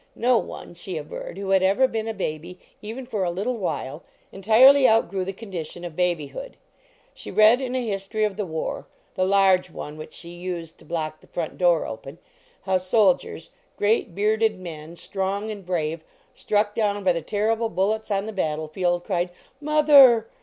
No one, she averred, who had ever been a baby even for a little while, entirely outgrew the con dition of babyhood. She read in a history of the war the large one, which she used to block the front door open how soldiers, great bearded men, strong and brave, struck down by the terrible bullets on the battle field, cried "Mother!